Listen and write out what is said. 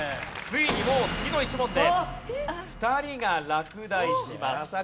ついにもう次の１問で２人が落第します。